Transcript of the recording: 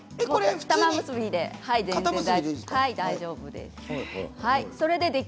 固結びで大丈夫です。